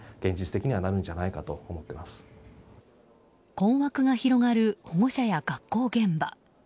困惑が広がる保護者や学校現場。